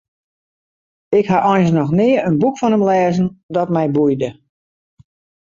Ik ha eins noch nea in boek fan him lêzen dat my boeide.